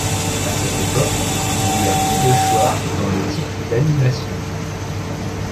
À cette époque il y a peu de choix dans le type d'animation.